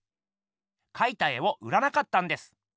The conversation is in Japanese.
かいた絵を売らなかったんです。